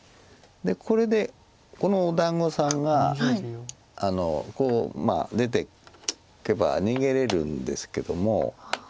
これでこのお団子さんがこう出ていけば逃げれるんですけども。